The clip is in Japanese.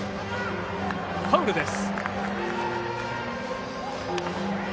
ファウルです。